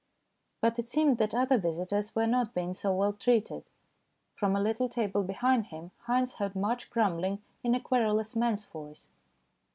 But it seemed that other visitors were not being so well treated. From a little table behind him Haynes heard much grumbling in a querulous man's voice.